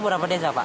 berapa desa pak